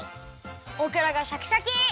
オクラがシャキシャキ！